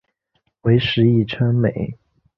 为时议称美。